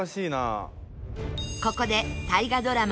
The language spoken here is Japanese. ここで大河ドラマ